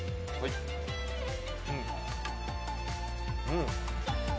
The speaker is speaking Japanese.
うん。